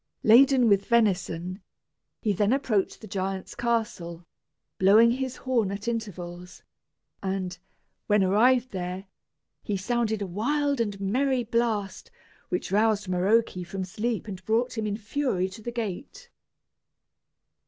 Laden with venison, he then approached the giant's castle, blowing his horn at intervals; and, when arrived there, he sounded a wild and merry blast, which roused Maroke from sleep and brought him in fury to the gate.